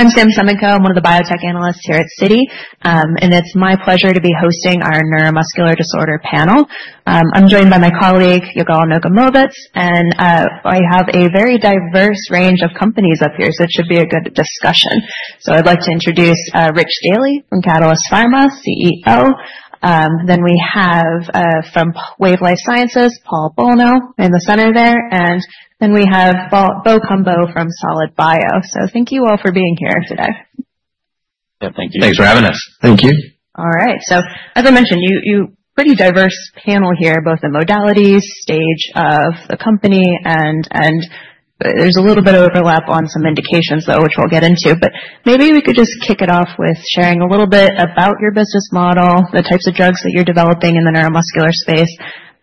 I'm Samantha Semenkow, one of the biotech analysts here at Citi, and it's my pleasure to be hosting our Neuromuscular Disorder Panel. I'm joined by my colleague, Yigal Nogomovitz, and I have a very diverse range of companies up here, so it should be a good discussion. So I'd like to introduce Richard Daly from Catalyst Pharmaceuticals, CEO. Then we have from Wave Life Sciences, Paul Bolno in the center there, and then we have Bo Cumbo from Solid Biosciences. So thank you all for being here today. Yeah, thank you. Thanks for having us. Thank you. All right, so as I mentioned, you have a pretty diverse panel here, both the modalities, stage of the company, and there's a little bit of overlap on some indications, though, which we'll get into. But maybe we could just kick it off with sharing a little bit about your business model, the types of drugs that you're developing in the neuromuscular space,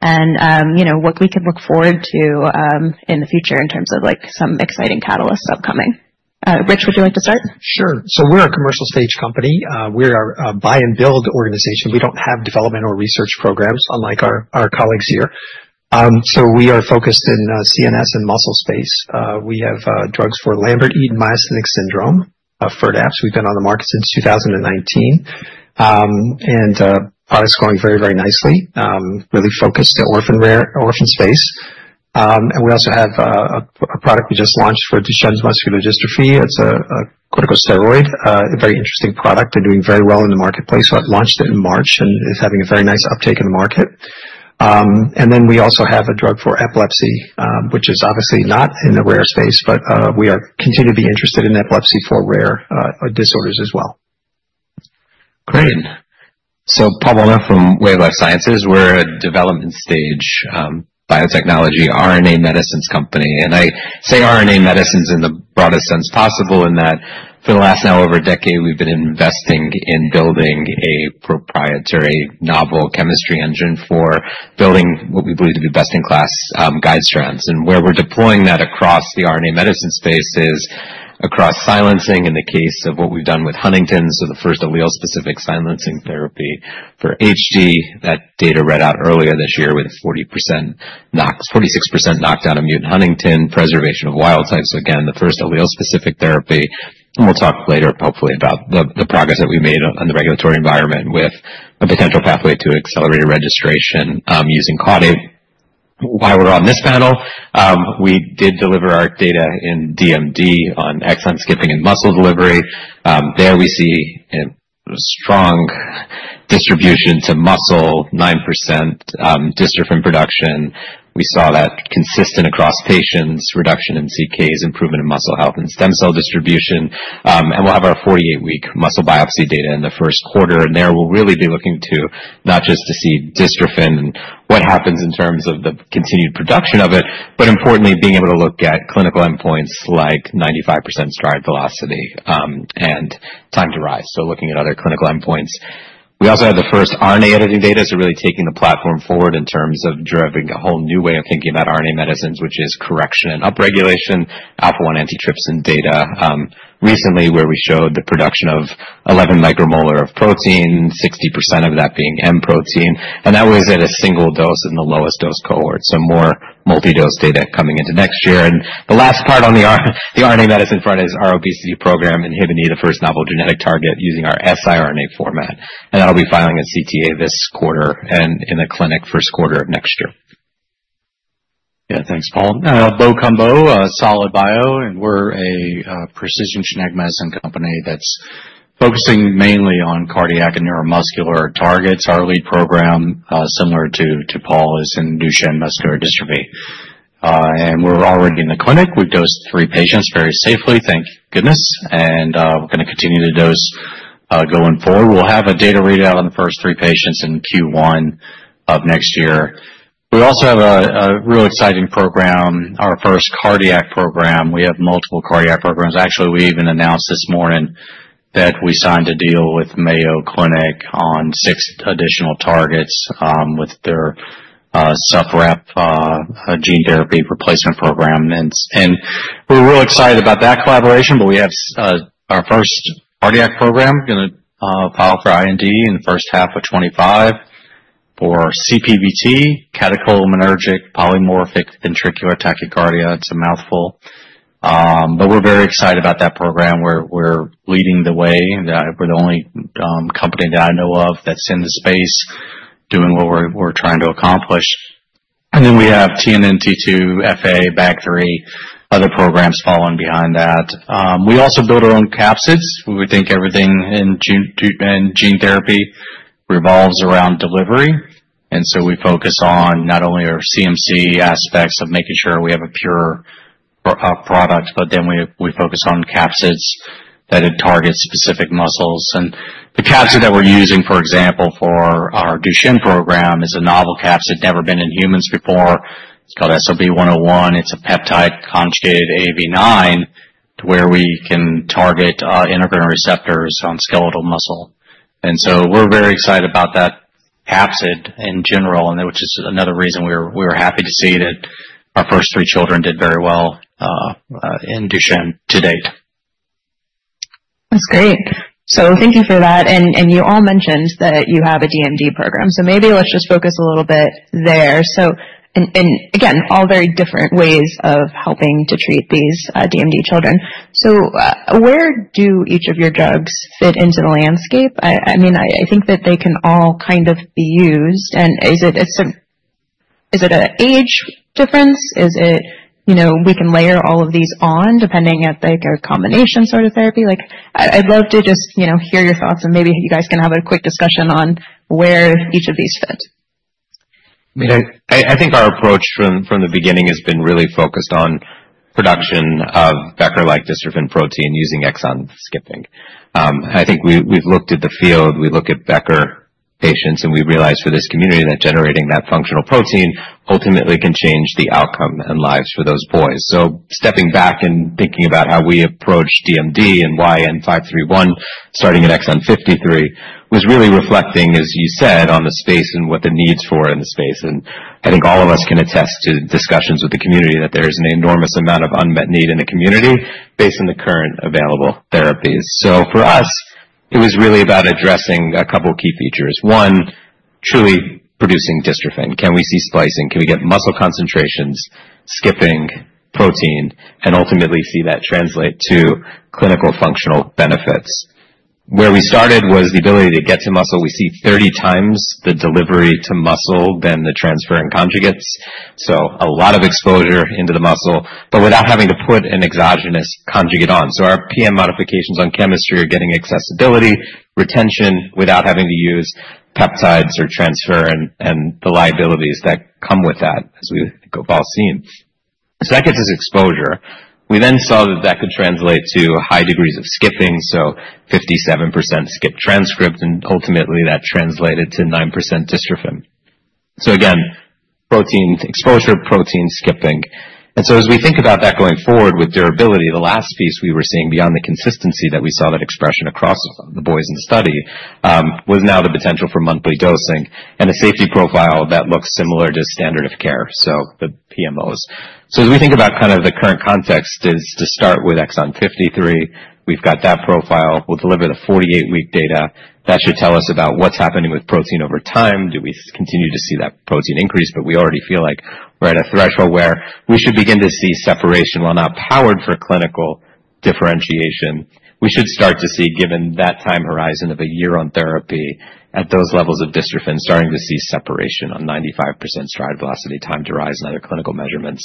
and what we can look forward to in the future in terms of some exciting catalysts upcoming. Rich, would you like to start? Sure. We're a commercial-stage company. We're a buy-and-build organization. We don't have development or research programs, unlike our colleagues here. We are focused in CNS and muscle space. We have drugs for Lambert-Eaton myasthenic syndrome, Firdapse. We've been on the market since 2019, and the product's going very, very nicely, really focused on the orphan space. We also have a product we just launched for Duchenne Muscular Dystrophy. It's a corticosteroid, a very interesting product, and doing very well in the marketplace. I launched it in March, and it's having a very nice uptake in the market. We also have a drug for epilepsy, which is obviously not in the rare space, but we continue to be interested in epilepsy for rare disorders as well. Great. So Paul Bolno from Wave Life Sciences. We're a development-stage biotechnology RNA medicines company. And I say RNA medicines in the broadest sense possible in that for the last now over a decade, we've been investing in building a proprietary novel chemistry engine for building what we believe to be best-in-class guide strands. And where we're deploying that across the RNA medicine space is across silencing, in the case of what we've done with Huntington's, so the first allele-specific silencing therapy for HD. That data read out earlier this year with 46% knockdown of mutant huntingtin, preservation of wild-types, so again, the first allele-specific therapy. And we'll talk later, hopefully, about the progress that we made on the regulatory environment with a potential pathway to accelerated registration using caudate. While we're on this panel, we did deliver our data in DMD on exon skipping and muscle delivery. There we see a strong distribution to muscle, 9% dystrophin production. We saw that consistent across patients, reduction in CKs, improvement in muscle health and stem cell distribution. We'll have our 48-week muscle biopsy data in the first quarter. There we'll really be looking to not just see dystrophin and what happens in terms of the continued production of it, but importantly, being able to look at clinical endpoints like 95th percentile stride velocity and time to rise, so looking at other clinical endpoints. We also have the first RNA editing data, so really taking the platform forward in terms of driving a whole new way of thinking about RNA medicines, which is correction and upregulation, alpha-1 antitrypsin data recently, where we showed the production of 11 micromolar of protein, 60% of that being M protein. And that was at a single dose in the lowest dose cohort, so more multi-dose data coming into next year. And the last part on the RNA medicine front is our obesity program, inhibiting the first novel genetic target using our siRNA format. And that'll be filing a CTA this quarter and in the clinic first quarter of next year. Yeah, thanks, Paul. Bo Cumbo, Solid Bio, and we're a precision genetic medicine company that's focusing mainly on cardiac and neuromuscular targets. Our lead program, similar to Paul, is in Duchenne muscular dystrophy, and we're already in the clinic. We've dosed three patients very safely, thank goodness, and we're going to continue to dose going forward. We'll have a data readout on the first three patients in Q1 of next year. We also have a real exciting program, our first cardiac program. We have multiple cardiac programs. Actually, we even announced this morning that we signed a deal with Mayo Clinic on six additional targets with their Sup-Rep gene therapy replacement program, and we're real excited about that collaboration, but we have our first cardiac program going to file for IND in the first half of 2025 for CPVT, catecholaminergic polymorphic ventricular tachycardia. It's a mouthful. We're very excited about that program. We're leading the way. We're the only company that I know of that's in the space doing what we're trying to accomplish. And then we have TNNT2, FA, BAG3, other programs following behind that. We also build our own capsids. We think everything in gene therapy revolves around delivery. And so we focus on not only our CMC aspects of making sure we have a pure product, but then we focus on capsids that target specific muscles. And the capsid that we're using, for example, for our Duchenne program is a novel capsid never been in humans before. It's called SLB-101. It's a peptide conjugated AAV9 to where we can target integrin receptors on skeletal muscle. We're very excited about that capsid in general, which is another reason we were happy to see that our first three children did very well in Duchenne to date. That's great. So thank you for that. And you all mentioned that you have a DMD program. So maybe let's just focus a little bit there. And again, all very different ways of helping to treat these DMD children. So where do each of your drugs fit into the landscape? I mean, I think that they can all kind of be used. And is it an age difference? Is it we can layer all of these on depending on a combination sort of therapy? I'd love to just hear your thoughts, and maybe you guys can have a quick discussion on where each of these fit. I mean, I think our approach from the beginning has been really focused on production of Becker-like dystrophin protein using exon skipping. I think we've looked at the field. We look at Becker patients, and we realize for this community that generating that functional protein ultimately can change the outcome and lives for those boys. So stepping back and thinking about how we approach DMD and why N531, starting at Exon 53, was really reflecting, as you said, on the space and what the needs for in the space. And I think all of us can attest to discussions with the community that there is an enormous amount of unmet need in the community based on the current available therapies. So for us, it was really about addressing a couple of key features. One, truly producing dystrophin. Can we see splicing? Can we get muscle concentrations, skipping protein, and ultimately see that translate to clinical functional benefits? Where we started was the ability to get to muscle. We see 30 times the delivery to muscle than the transferrin conjugates. So a lot of exposure into the muscle, but without having to put an exogenous conjugate on. So our PN modifications on chemistry are getting accessibility, retention without having to use peptides or transferrin and the liabilities that come with that, as we've all seen. So that gets us exposure. We then saw that that could translate to high degrees of skipping, so 57% skipped transcript, and ultimately that translated to 9% dystrophin. So again, protein exposure, protein skipping. And so, as we think about that going forward with durability, the last piece we were seeing beyond the consistency that we saw that expression across the boys in the study was now the potential for monthly dosing and a safety profile that looks similar to standard of care, so the PMOs. So, as we think about kind of the current context, is to start with Exon 53. We've got that profile. We'll deliver the 48-week data. That should tell us about what's happening with protein over time. Do we continue to see that protein increase? But we already feel like we're at a threshold where we should begin to see separation. While not powered for clinical differentiation, we should start to see, given that time horizon of a year on therapy at those levels of dystrophin, starting to see separation on 95th percentile stride velocity, time to rise, and other clinical measurements.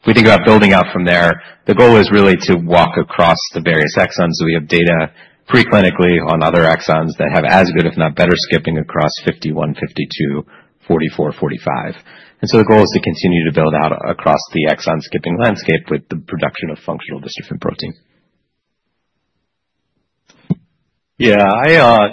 If we think about building out from there, the goal is really to walk across the various exons. We have data preclinically on other exons that have as good, if not better, skipping across 51, 52, 44, 45. And so the goal is to continue to build out across the exon skipping landscape with the production of functional dystrophin protein. Yeah, I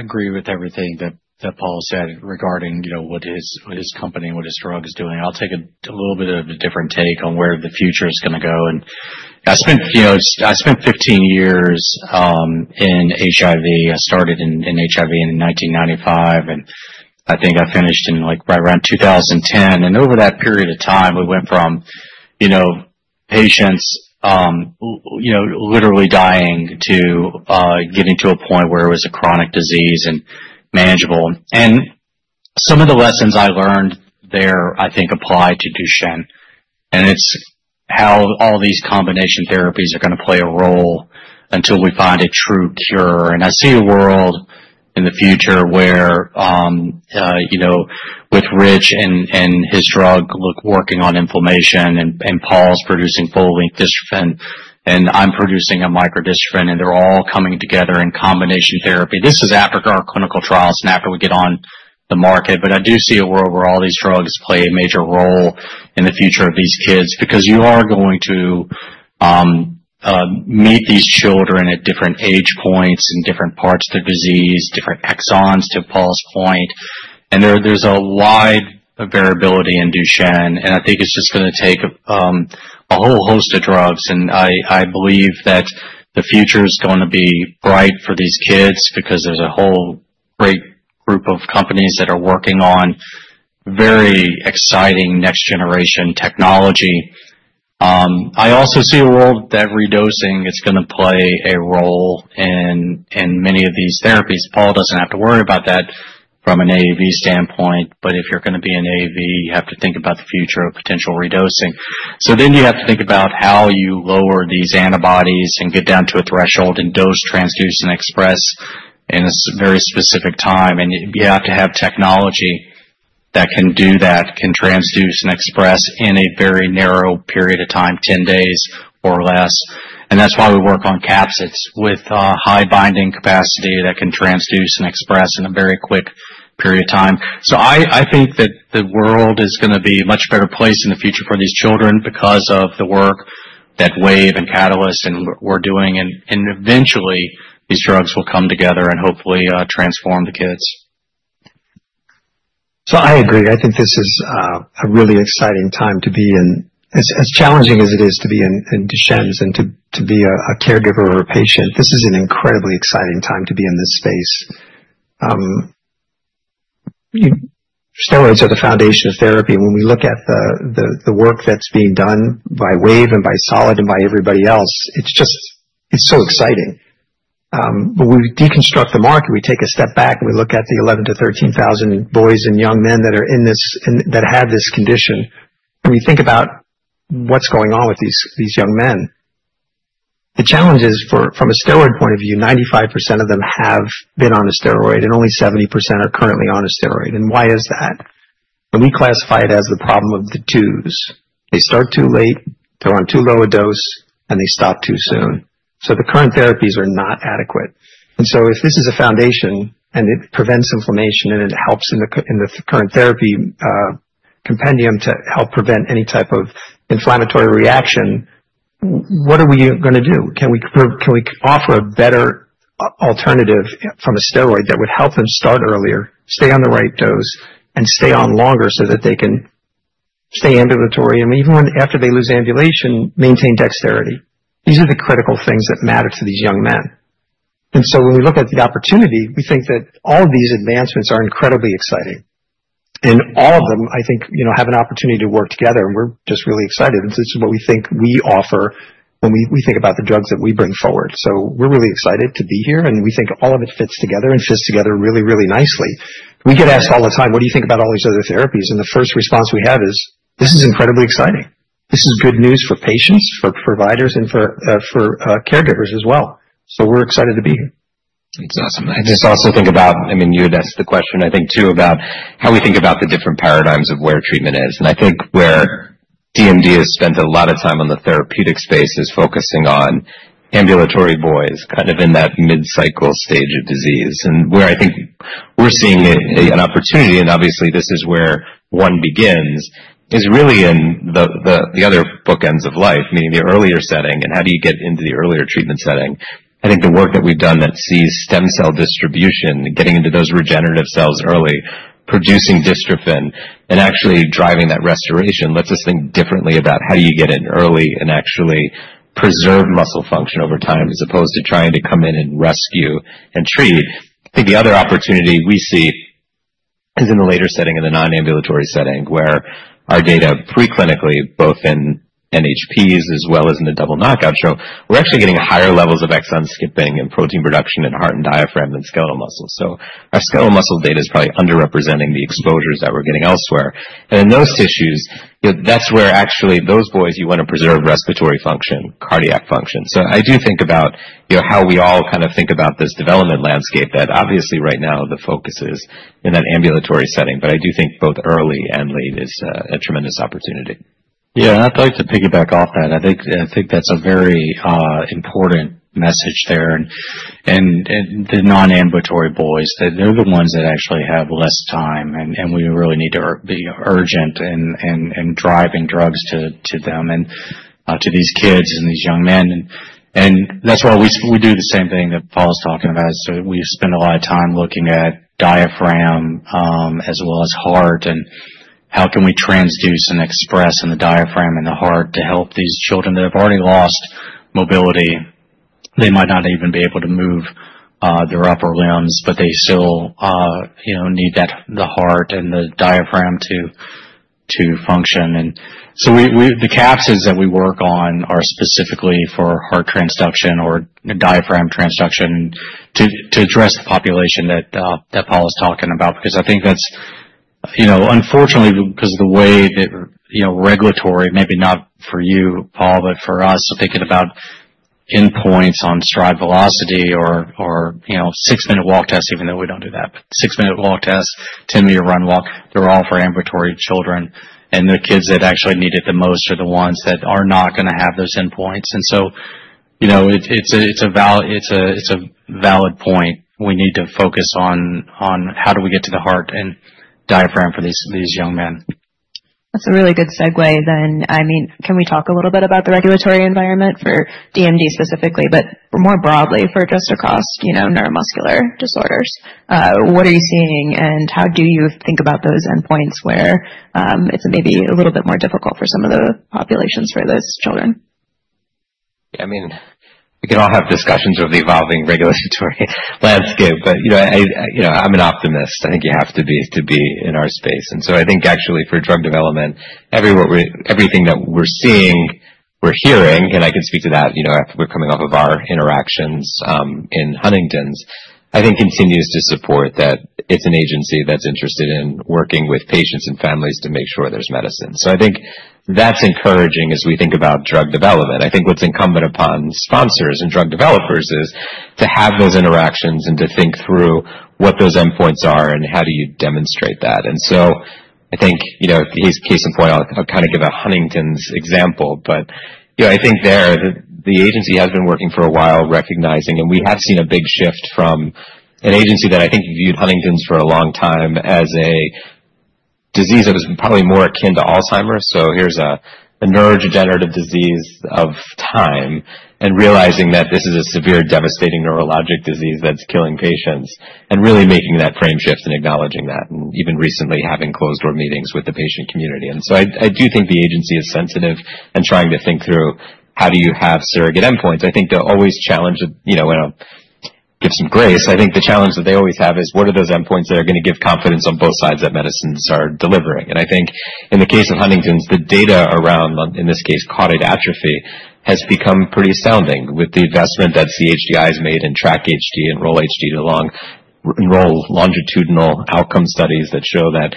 agree with everything that Paul said regarding what his company and what his drug is doing. I'll take a little bit of a different take on where the future is going to go. And I spent 15 years in HIV. I started in HIV in 1995, and I think I finished in right around 2010. And over that period of time, we went from patients literally dying to getting to a point where it was a chronic disease and manageable. And some of the lessons I learned there, I think, apply to Duchenne. And it's how all these combination therapies are going to play a role until we find a true cure. And I see a world in the future where with Rich and his drug working on inflammation and Paul's producing full-length dystrophin, and I'm producing a micro-dystrophin, and they're all coming together in combination therapy. This is after our clinical trials and after we get on the market. But I do see a world where all these drugs play a major role in the future of these kids because you are going to meet these children at different age points and different parts of the disease, different exons to Paul's point. And there's a wide variability in Duchenne. And I think it's just going to take a whole host of drugs. And I believe that the future is going to be bright for these kids because there's a whole great group of companies that are working on very exciting next-generation technology. I also see a world that redosing is going to play a role in many of these therapies. Paul doesn't have to worry about that from an AAV standpoint, but if you're going to be an AAV, you have to think about the future of potential redosing. So then you have to think about how you lower these antibodies and get down to a threshold and dose, transduce, and express in a very specific time. And you have to have technology that can do that, can transduce and express in a very narrow period of time, 10 days or less. And that's why we work on capsids with high binding capacity that can transduce and express in a very quick period of time. So I think that the world is going to be a much better place in the future for these children because of the work that Wave and Catalyst and we're doing. And eventually, these drugs will come together and hopefully transform the kids. I agree. I think this is a really exciting time to be in, as challenging as it is to be in Duchenne's and to be a caregiver or a patient. This is an incredibly exciting time to be in this space. Steroids are the foundation of therapy. When we look at the work that's being done by Wave and by Solid and by everybody else, it's just so exciting. We deconstruct the market. We take a step back. We look at the 11,000-13,000 boys and young men that are in this that have this condition. We think about what's going on with these young men. The challenge is, from a steroid point of view, 95% of them have been on a steroid, and only 70% are currently on a steroid. Why is that? We classify it as the problem of the twos. They start too late, they're on too low a dose, and they stop too soon. So the current therapies are not adequate. And so if this is a foundation and it prevents inflammation and it helps in the current therapy compendium to help prevent any type of inflammatory reaction, what are we going to do? Can we offer a better alternative from a steroid that would help them start earlier, stay on the right dose, and stay on longer so that they can stay ambulatory and even after they lose ambulation, maintain dexterity? These are the critical things that matter to these young men. And so when we look at the opportunity, we think that all of these advancements are incredibly exciting. And all of them, I think, have an opportunity to work together. And we're just really excited. This is what we think we offer when we think about the drugs that we bring forward. We're really excited to be here. We think all of it fits together and fits together really, really nicely. We get asked all the time, "What do you think about all these other therapies?" The first response we have is, "This is incredibly exciting. This is good news for patients, for providers, and for caregivers as well." We're excited to be here. That's awesome. I just also think about, I mean, you addressed the question, I think, too, about how we think about the different paradigms of where treatment is. And I think where DMD has spent a lot of time on the therapeutic space is focusing on ambulatory boys kind of in that mid-cycle stage of disease. And where I think we're seeing an opportunity, and obviously, this is where one begins, is really in the other bookends of life, meaning the earlier setting and how do you get into the earlier treatment setting. I think the work that we've done that sees stem cell distribution, getting into those regenerative cells early, producing dystrophin, and actually driving that restoration lets us think differently about how do you get in early and actually preserve muscle function over time as opposed to trying to come in and rescue and treat. I think the other opportunity we see is in the later setting, in the nonambulatory setting, where our data preclinically, both in NHPs as well as in the double-knockout show, we're actually getting higher levels of exon skipping and protein production in heart and diaphragm and skeletal muscle. So our skeletal muscle data is probably underrepresenting the exposures that we're getting elsewhere. And in those tissues, that's where actually those boys you want to preserve respiratory function, cardiac function. So I do think about how we all kind of think about this development landscape that obviously right now the focus is in that ambulatory setting. But I do think both early and late is a tremendous opportunity. Yeah, I'd like to piggyback off that. I think that's a very important message there. And the nonambulatory boys, they're the ones that actually have less time. And we really need to be urgent in driving drugs to them and to these kids and these young men. And that's why we do the same thing that Paul is talking about. So we spend a lot of time looking at diaphragm as well as heart and how can we transduce and express in the diaphragm and the heart to help these children that have already lost mobility. They might not even be able to move their upper limbs, but they still need the heart and the diaphragm to function. And so the capsids that we work on are specifically for heart transduction or diaphragm transduction to address the population that Paul is talking about because I think that's, unfortunately, because of the way that regulatory, maybe not for you, Paul, but for us, thinking about endpoints on stride velocity or 6-minute walk tests, even though we don't do that, but 6-minute walk tests, 10-meter run/walk, they're all for ambulatory children. And the kids that actually need it the most are the ones that are not going to have those endpoints. And so it's a valid point. We need to focus on how do we get to the heart and diaphragm for these young men. That's a really good segue then. I mean, can we talk a little bit about the regulatory environment for DMD specifically, but more broadly for just across neuromuscular disorders? What are you seeing and how do you think about those endpoints where it's maybe a little bit more difficult for some of the populations for those children? Yeah, I mean, we can all have discussions of the evolving regulatory landscape, but I'm an optimist. I think you have to be in our space. And so I think actually for drug development, everything that we're seeing, we're hearing, and I can speak to that after we're coming off of our interactions in Huntington's, I think continues to support that it's an agency that's interested in working with patients and families to make sure there's medicine. So I think that's encouraging as we think about drug development. I think what's incumbent upon sponsors and drug developers is to have those interactions and to think through what those endpoints are and how do you demonstrate that. I think case in point, I'll kind of give a Huntington's example, but I think there the agency has been working for a while recognizing, and we have seen a big shift from an agency that I think viewed Huntington's for a long time as a disease that was probably more akin to Alzheimer's. So here's a neurodegenerative disease over time and realizing that this is a severe, devastating neurologic disease that's killing patients and really making that frame shift and acknowledging that and even recently having closed-door meetings with the patient community. I do think the agency is sensitive and trying to think through how do you have surrogate endpoints. I think the challenge that they always have is what are those endpoints that are going to give confidence on both sides that medicines are delivering? And I think in the case of Huntington's, the data around, in this case, caudate atrophy has become pretty astounding with the investment that CHDI has made in TRACK-HD and Enroll-HD longitudinal outcome studies that show that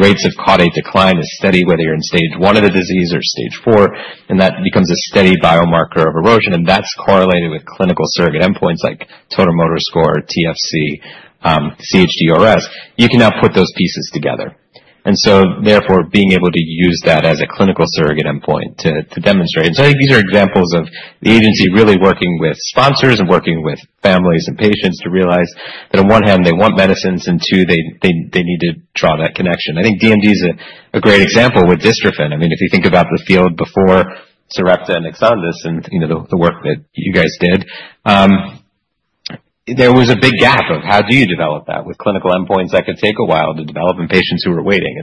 rates of caudate decline is steady whether you're in stage one of the disease or stage four, and that becomes a steady biomarker of erosion. And that's correlated with clinical surrogate endpoints like total motor score, TFC, cUHDRS. You can now put those pieces together. And so therefore, being able to use that as a clinical surrogate endpoint to demonstrate. I think these are examples of the agency really working with sponsors and working with families and patients to realize that on one hand, they want medicines and two, they need to draw that connection. I think DMD is a great example with dystrophin. I mean, if you think about the field before Sarepta and Exondys and the work that you guys did, there was a big gap of how do you develop that with clinical endpoints that could take a while to develop in patients who are waiting.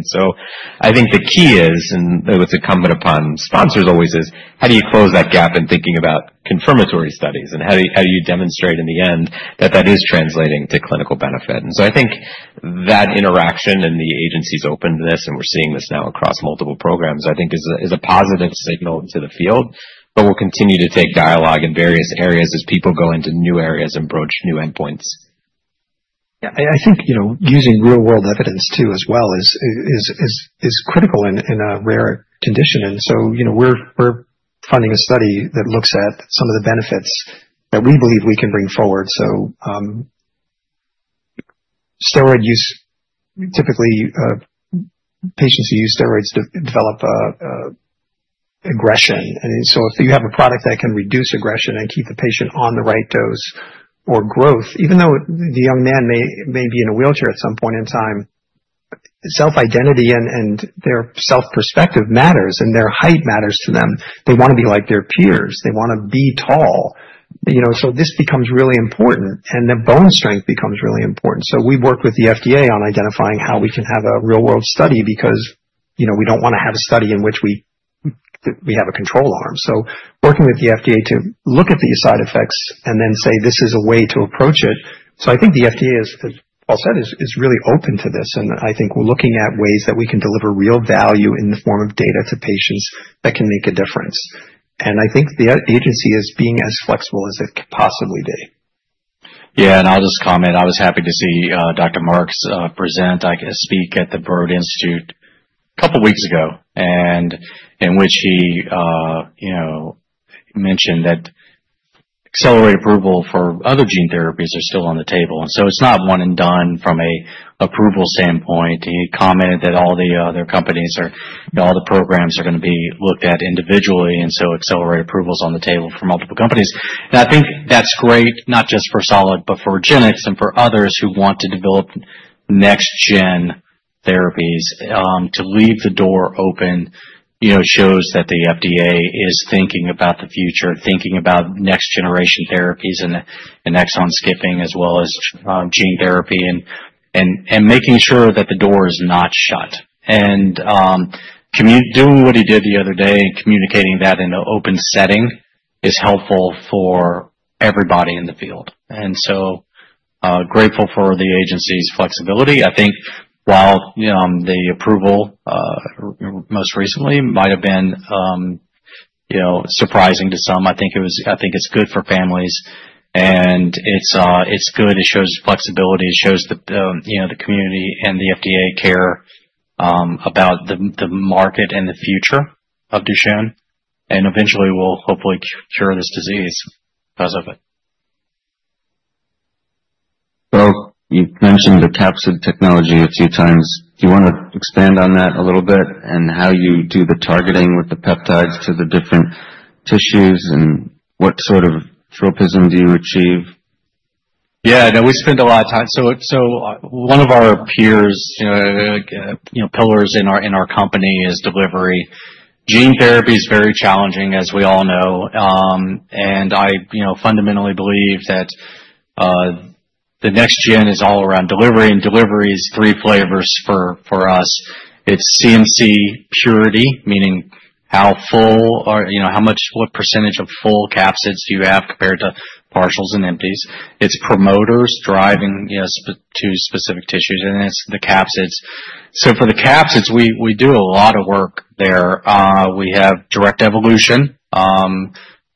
I think the key is, and what's incumbent upon sponsors always is how do you close that gap in thinking about confirmatory studies and how do you demonstrate in the end that that is translating to clinical benefit? And so I think that interaction and the agency's openness, and we're seeing this now across multiple programs, I think is a positive signal to the field, but we'll continue to take dialogue in various areas as people go into new areas and broach new endpoints. Yeah, I think using real-world evidence too as well is critical in a rare condition. And so we're funding a study that looks at some of the benefits that we believe we can bring forward. So steroid use, typically patients who use steroids develop aggression. And so if you have a product that can reduce aggression and keep the patient on the right dose or growth, even though the young man may be in a wheelchair at some point in time, self-identity and their self-perspective matters and their height matters to them. They want to be like their peers. They want to be tall. So this becomes really important and the bone strength becomes really important. So we've worked with the FDA on identifying how we can have a real-world study because we don't want to have a study in which we have a control arm. So working with the FDA to look at these side effects and then say, "This is a way to approach it." So I think the FDA, as Paul said, is really open to this. And I think we're looking at ways that we can deliver real value in the form of data to patients that can make a difference. And I think the agency is being as flexible as it can possibly be. Yeah, and I'll just comment. I was happy to see Dr. Marks present, I guess, speak at the Broad Institute a couple of weeks ago and in which he mentioned that Accelerated approval for other gene therapies are still on the table, and so it's not one and done from an approval standpoint. He commented that all the other companies or all the programs are going to be looked at individually, and so Accelerated approval is on the table for multiple companies, and I think that's great, not just for Solid, but for GenX and for others who want to develop next-gen therapies to leave the door open. It shows that the FDA is thinking about the future, thinking about next-generation therapies and exon skipping as well as gene therapy and making sure that the door is not shut. Doing what he did the other day and communicating that in an open setting is helpful for everybody in the field. So grateful for the agency's flexibility. I think while the approval most recently might have been surprising to some, I think it's good for families. It's good. It shows flexibility. It shows the community and the FDA care about the market and the future of Duchenne and eventually will hopefully cure this disease because of it. So you've mentioned the capsid technology a few times. Do you want to expand on that a little bit and how you do the targeting with the peptides to the different tissues and what sort of tropism do you achieve? Yeah, no, we spent a lot of time. So one of our key pillars in our company is delivery. Gene therapy is very challenging, as we all know. And I fundamentally believe that the next gen is all around delivery. And delivery is three flavors for us. It's CMC purity, meaning how full or what percentage of full capsids do you have compared to partials and empties. It's promoters driving to specific tissues. And it's the capsids. So for the capsids, we do a lot of work there. We have directed evolution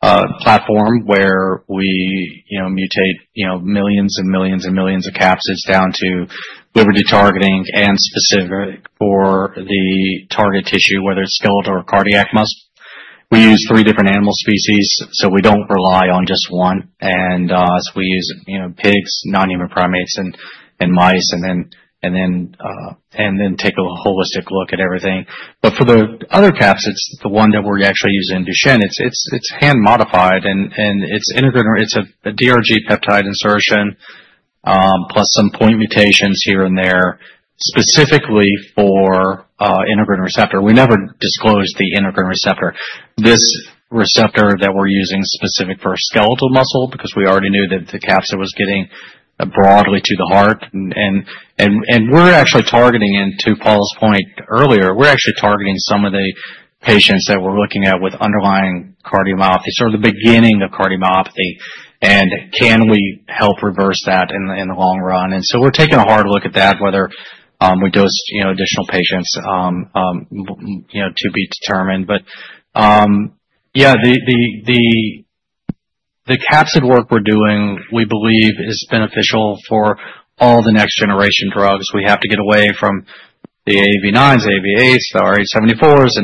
platform where we mutate millions and millions and millions of capsids down to liver de-targeting and specific for the target tissue, whether it's skeletal or cardiac muscle. We use three different animal species, so we don't rely on just one. And we use pigs, nonhuman primates, and mice, and then take a holistic look at everything. But for the other capsids, the one that we're actually using in Duchenne, it's hand-modified and it's integrated. It's a DRG peptide insertion plus some point mutations here and there specifically for integrin receptor. We never disclosed the integrin receptor. This receptor that we're using is specific for skeletal muscle because we already knew that the capsid was getting broadly to the heart. And we're actually targeting, and to Paul's point earlier, we're actually targeting some of the patients that we're looking at with underlying cardiomyopathy or the beginning of cardiomyopathy. And can we help reverse that in the long run? And so we're taking a hard look at that, whether we dose additional patients to be determined. But yeah, the capsid work we're doing, we believe, is beneficial for all the next-generation drugs. We have to get away from the AAV9s, AAV8s, the rh74s,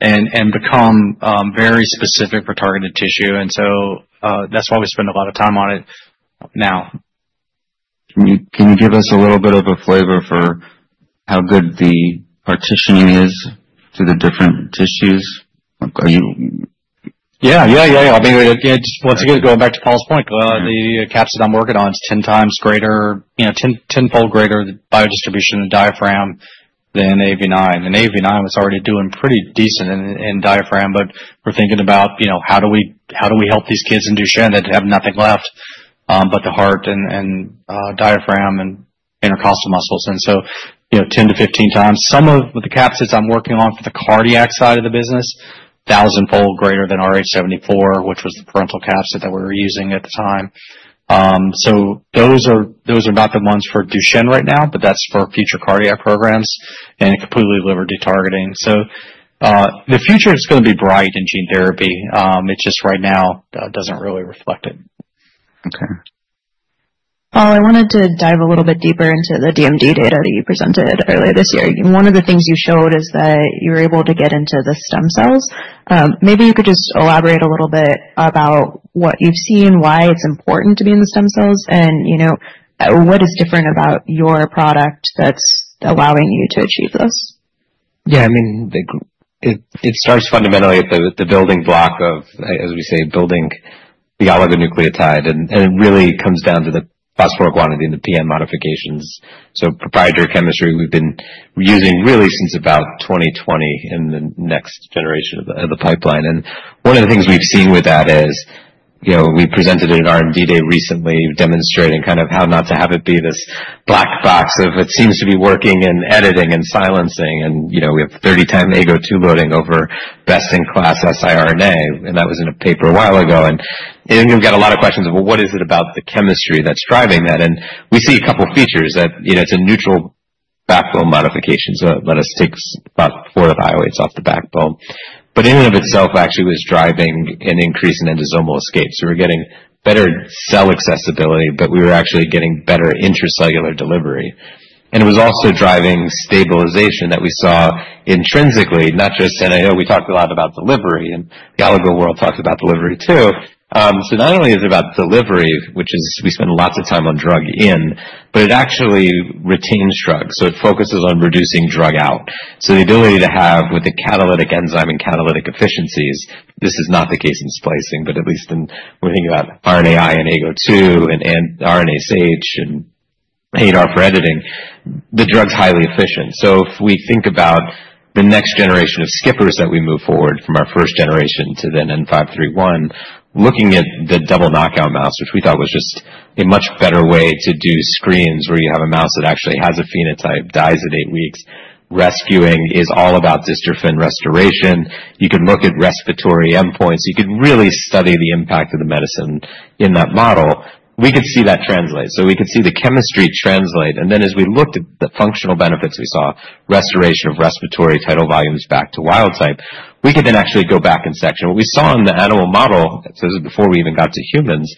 and become very specific for targeted tissue, and so that's why we spend a lot of time on it now. Can you give us a little bit of a flavor for how good the partitioning is to the different tissues? Are you? Yeah, yeah, yeah, yeah. I mean, once again, going back to Paul's point, the capsid I'm working on is 10 times greater, 10-fold greater biodistribution in the diaphragm than AAV9, and AAV9 was already doing pretty decent in diaphragm, but we're thinking about how do we help these kids in Duchenne that have nothing left but the heart and diaphragm and intercostal muscles, and so 10 to 15 times. Some of the capsids I'm working on for the cardiac side of the business, thousand-fold greater than rh74, which was the parental capsid that we were using at the time, so those are not the ones for Duchenne right now, but that's for future cardiac programs and completely liver-free targeting, so the future is going to be bright in gene therapy. It's just right now doesn't really reflect it. Okay. Paul, I wanted to dive a little bit deeper into the DMD data that you presented earlier this year. One of the things you showed is that you were able to get into the stem cells. Maybe you could just elaborate a little bit about what you've seen, why it's important to be in the stem cells, and what is different about your product that's allowing you to achieve this? Yeah, I mean, it starts fundamentally at the building block of, as we say, building the oligonucleotide. And it really comes down to the phosphoryl guanidine and the PN modifications. So proprietary chemistry, we've been using really since about 2020 in the next generation of the pipeline. And one of the things we've seen with that is we presented at an R&D day recently demonstrating kind of how not to have it be this black box of it seems to be working and editing and silencing. And we have 30-time AGO2 loading over best-in-class siRNA. And that was in a paper a while ago. And we've got a lot of questions of, well, what is it about the chemistry that's driving that? And we see a couple of features that it's a neutral backbone modification. So let us take about four of the phosphates off the backbone. But in and of itself, actually, it was driving an increase in endosomal escape. So we're getting better cell accessibility, but we were actually getting better intracellular delivery. And it was also driving stabilization that we saw intrinsically, not just, and I know we talked a lot about delivery and the oligo world talked about delivery too. So not only is it about delivery, which is we spend lots of time on drug in, but it actually retains drugs. So it focuses on reducing drug out. So the ability to have with the catalytic enzyme and catalytic efficiencies, this is not the case in splicing, but at least when we think about RNAi and AGO2 and RNase H and ADAR for editing, the drug's highly efficient. So if we think about the next generation of skippers that we move forward from our first generation to then N531, looking at the double-knockout mouse, which we thought was just a much better way to do screens where you have a mouse that actually has a phenotype, dies at eight weeks, rescuing is all about dystrophin restoration. You can look at respiratory endpoints. You can really study the impact of the medicine in that model. We could see that translate, so we could see the chemistry translate and then as we looked at the functional benefits, we saw restoration of respiratory tidal volumes back to wild-type. We could then actually go back in section. What we saw in the animal model, so this is before we even got to humans,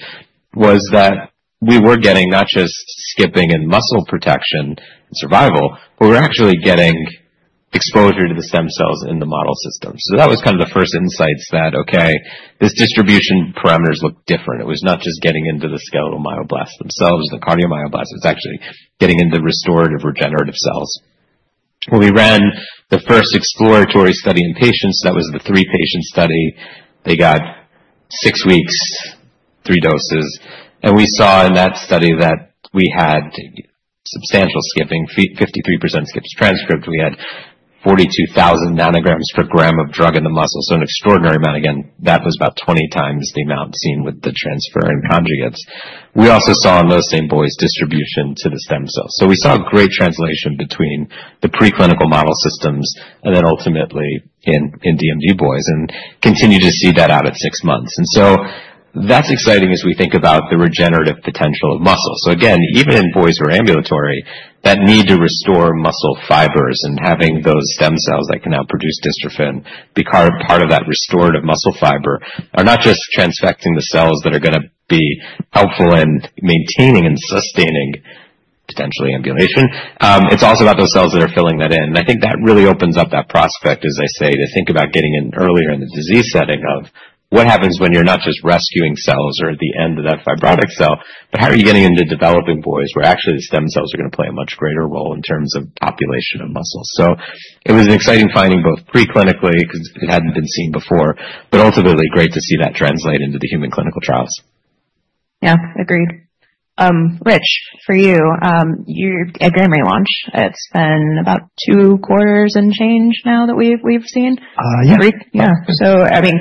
was that we were getting not just skipping and muscle protection and survival, but we're actually getting exposure to the stem cells in the model system, so that was kind of the first insights that, okay, these distribution parameters look different. It was not just getting into the skeletal myoblasts themselves and the cardiomyoblasts. It was actually getting into restorative regenerative cells. When we ran the first exploratory study in patients, that was the three-patient study. They got six weeks, three doses, and we saw in that study that we had substantial skipping, 53% skipped transcript. We had 42,000 nanograms per gram of drug in the muscle, so an extraordinary amount. Again, that was about 20 times the amount seen with the transferrin conjugates. We also saw in those same boys distribution to the stem cells, so we saw great translation between the preclinical model systems and then ultimately in DMD boys and continue to see that out at six months, and so that's exciting as we think about the regenerative potential of muscle, so again, even in boys who are ambulatory, that need to restore muscle fibers and having those stem cells that can now produce dystrophin be part of that restorative muscle fiber are not just transfecting the cells that are going to be helpful in maintaining and sustaining potentially ambulation. It's also about those cells that are filling that in. And I think that really opens up that prospect, as I say, to think about getting in earlier in the disease setting of what happens when you're not just rescuing cells or at the end of that fibrotic cell, but how are you getting into developing boys where actually the stem cells are going to play a much greater role in terms of population of muscle. So it was an exciting finding both preclinically because it hadn't been seen before, but ultimately great to see that translate into the human clinical trials. Yeah, agreed. Rich, for you, you had a grand re-launch. It's been about two quarters and change now that we've seen. Yeah. Yeah. So I mean,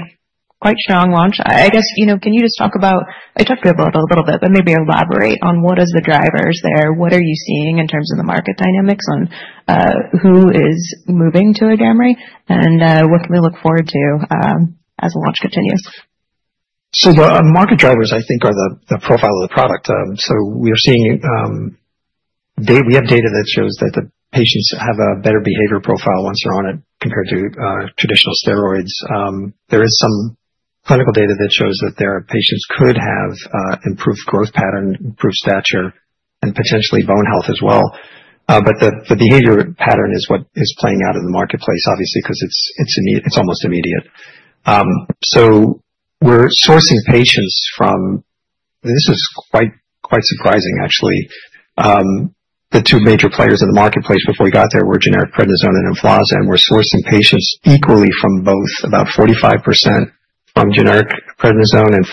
quite strong launch. I guess, can you just talk about it? I talked about it a little bit, but maybe elaborate on what are the drivers there. What are you seeing in terms of the market dynamics on who is moving to AGAMREE? And what can we look forward to as the launch continues? The market drivers, I think, are the profile of the product. We have data that shows that the patients have a better behavior profile once they're on it compared to traditional steroids. There is some clinical data that shows that there are patients who could have improved growth pattern, improved stature, and potentially bone health as well. The behavior pattern is what is playing out in the marketplace, obviously, because it's almost immediate. We're sourcing patients from, this is quite surprising, actually. The two major players in the marketplace before we got there were generic prednisone and Emflaza. We're sourcing patients equally from both, about 45% from generic prednisone and 45%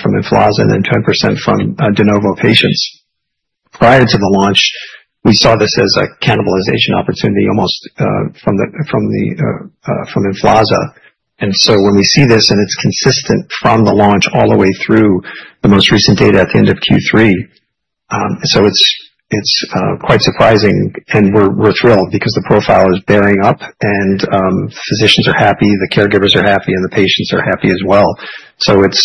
from Emflaza and then 10% from de novo patients. Prior to the launch, we saw this as a cannibalization opportunity almost from Emflaza. And so when we see this and it's consistent from the launch all the way through the most recent data at the end of Q3, so it's quite surprising. And we're thrilled because the profile is bearing up and physicians are happy, the caregivers are happy, and the patients are happy as well. So it's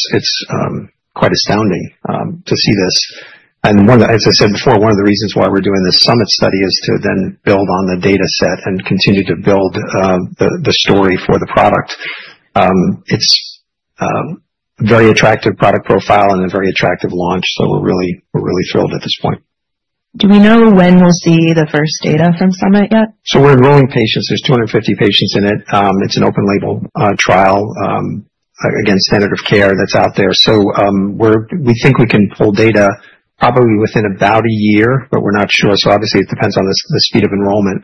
quite astounding to see this. And as I said before, one of the reasons why we're doing this SUMMIT study is to then build on the data set and continue to build the story for the product. It's a very attractive product profile and a very attractive launch. So we're really thrilled at this point. Do we know when we'll see the first data from Summit yet? So we're enrolling patients. There's 250 patients in it. It's an open-label trial against standard of care that's out there. So we think we can pull data probably within about a year, but we're not sure. So obviously, it depends on the speed of enrollment.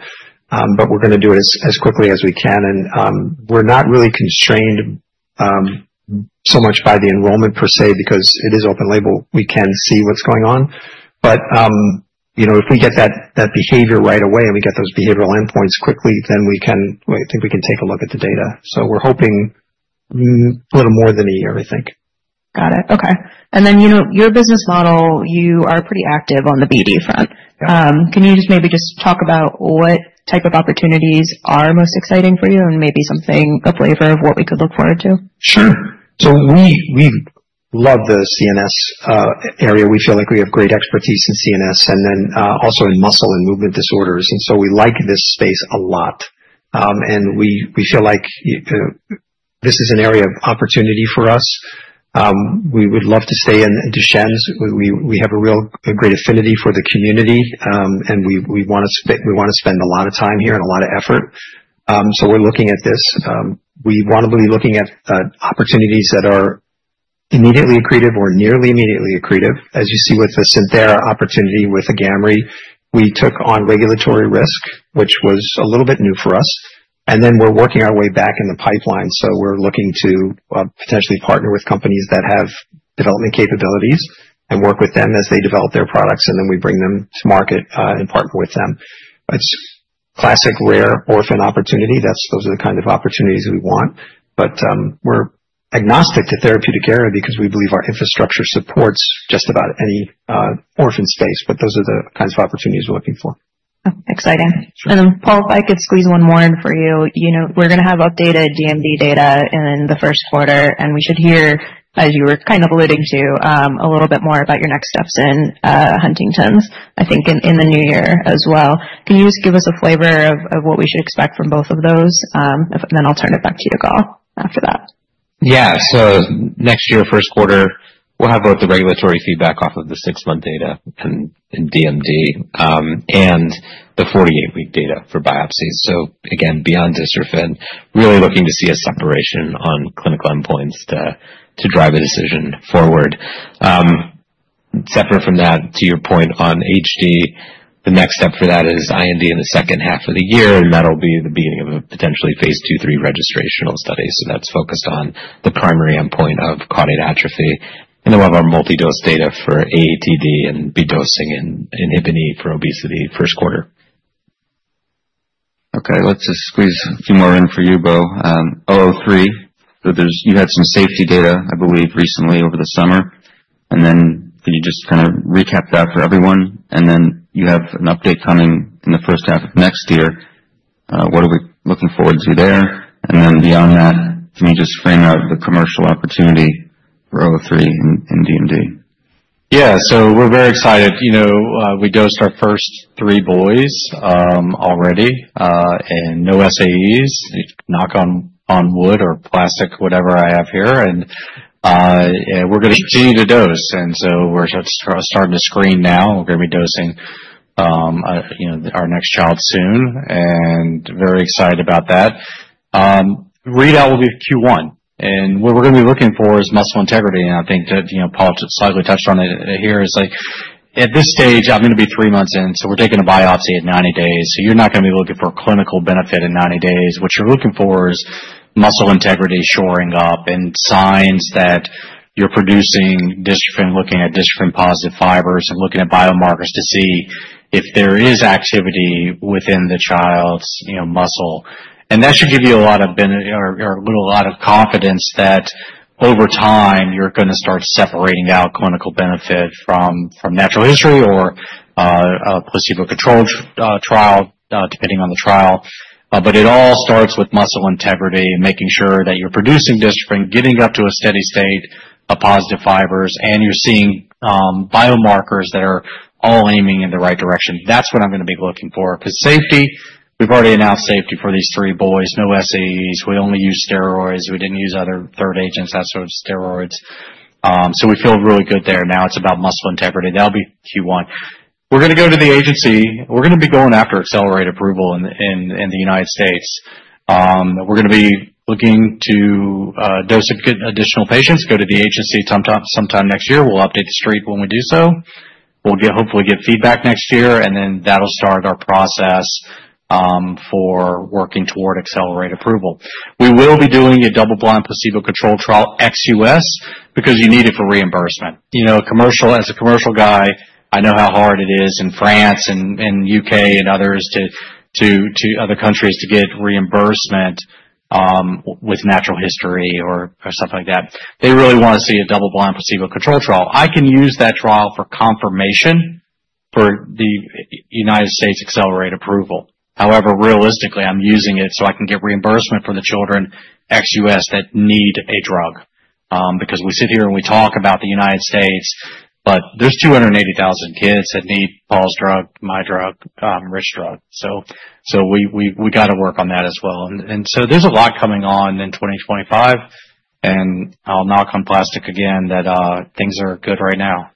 But we're going to do it as quickly as we can. And we're not really constrained so much by the enrollment per se because it is open-label. We can see what's going on. But if we get that behavior right away and we get those behavioral endpoints quickly, then I think we can take a look at the data. So we're hoping a little more than a year, I think. Got it. Okay. And then your business model, you are pretty active on the BD front. Can you just maybe talk about what type of opportunities are most exciting for you and maybe something, a flavor of what we could look forward to? Sure, so we love the CNS area. We feel like we have great expertise in CNS and then also in muscle and movement disorders, and so we like this space a lot, and we feel like this is an area of opportunity for us. We would love to stay in Duchenne's. We have a real great affinity for the community, and we want to spend a lot of time here and a lot of effort, so we're looking at this. We want to be looking at opportunities that are immediately accretive or nearly immediately accretive. As you see with the Santhera opportunity with Agamree, we took on regulatory risk, which was a little bit new for us, and then we're working our way back in the pipeline, so we're looking to potentially partner with companies that have development capabilities and work with them as they develop their products. And then we bring them to market and partner with them. It's classic rare orphan opportunity. Those are the kind of opportunities we want. But we're agnostic to therapeutic area because we believe our infrastructure supports just about any orphan space. But those are the kinds of opportunities we're looking for. Exciting. And Paul, if I could squeeze one more in for you. We're going to have updated DMD data in the first quarter. And we should hear, as you were kind of alluding to, a little bit more about your next steps in Huntington's, I think, in the new year as well. Can you just give us a flavor of what we should expect from both of those? And then I'll turn it back to you, Bo, after that. Yeah. So next year, first quarter, we'll have both the regulatory feedback off of the six-month data in DMD and the 48-week data for biopsies. So again, beyond dystrophin, really looking to see a separation on clinical endpoints to drive a decision forward. Separate from that, to your point on HD, the next step for that is IND in the second half of the year. And that'll be the beginning of a potentially phase two, three registrational study. So that's focused on the primary endpoint of caudate atrophy. And then we'll have our multi-dose data for AATD and B dosing and INHBE for obesity first quarter. Okay. Let's just squeeze a few more in for you, Bo, 003. So you had some safety data, I believe, recently over the summer. And then can you just kind of recap that for everyone? And then you have an update coming in the first half of next year. What are we looking forward to there? And then beyond that, can you just frame out the commercial opportunity for 003 in DMD? Yeah. So we're very excited. We dosed our first three boys already and no SAEs, knock on wood or plastic, whatever I have here. And we're going to continue to dose. And so we're starting to screen now. We're going to be dosing our next child soon and very excited about that. Read-out will be Q1. And what we're going to be looking for is muscle integrity. And I think that Paul slightly touched on it here. It's like at this stage, I'm going to be three months in. So we're taking a biopsy at 90 days. So you're not going to be looking for clinical benefit in 90 days. What you're looking for is muscle integrity shoring up and signs that you're producing dystrophin, looking at dystrophin-positive fibers and looking at biomarkers to see if there is activity within the child's muscle. That should give you a lot of confidence that over time, you're going to start separating out clinical benefit from natural history or a placebo-controlled trial, depending on the trial. But it all starts with muscle integrity and making sure that you're producing dystrophin, getting up to a steady state of positive fibers, and you're seeing biomarkers that are all aiming in the right direction. That's what I'm going to be looking for. Because safety, we've already announced safety for these three boys, no SAEs. We only use steroids. We didn't use other third agents, that sort of steroids. So we feel really good there. Now it's about muscle integrity. That'll be Q1. We're going to go to the agency. We're going to be going after Accelerated approval in the United States. We're going to be looking to dose additional patients, go to the agency sometime next year. We'll update the street when we do so. We'll hopefully get feedback next year, and then that'll start our process for working toward Accelerated approval. We will be doing a double-blind placebo-controlled trial, ex-US, because you need it for reimbursement. As a commercial guy, I know how hard it is in France and the U.K. and other countries to get reimbursement with natural history or something like that. They really want to see a double-blind placebo-controlled trial. I can use that trial for confirmation for the United States Accelerated approval. However, realistically, I'm using it so I can get reimbursement for the children ex-US that need a drug. Because we sit here and we talk about the United States, but there's 280,000 kids that need Paul's drug, my drug, Rich's drug. So we got to work on that as well. And so there's a lot coming on in 2025. And I'll knock on plastic again that things are good right now.